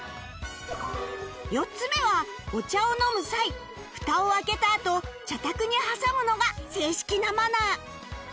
４つ目はお茶を飲む際フタを開けたあと茶たくに挟むのが正式なマナー